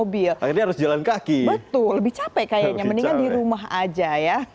betul lebih capek kayaknya mendingan di rumah aja ya